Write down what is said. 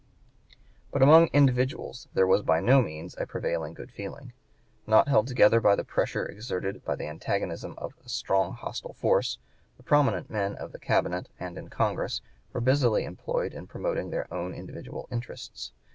But among individuals there was by no means a prevailing good feeling. Not held together by the pressure exerted by the antagonism of a strong hostile force, the prominent men of the Cabinet and in Congress were busily employed in promoting their own individual interests.